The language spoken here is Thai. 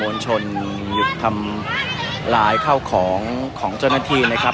การประตูกรมทหารที่สิบเอ็ดเป็นภาพสดขนาดนี้นะครับ